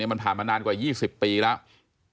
มันผ่านมานานกว่า๒๐ปีแล้ว